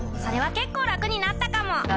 それは結構楽になったかも。